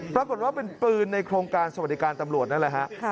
ปรากฏว่าเป็นปืนในโครงการสวัสดิการตำรวจนั่นแหละฮะ